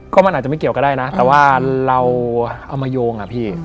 ก็มันอาจจะไม่เกี่ยวก็ได้นะแต่ว่าเราเอามาโยงอ่ะพี่